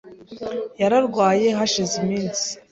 Yararwaye hashize iminsi .